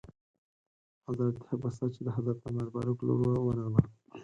حضرت حفصه چې د حضرت عمر فاروق لور وه ورغله.